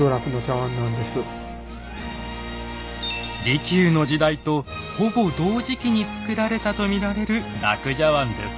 利休の時代とほぼ同時期に作られたと見られる樂茶碗です。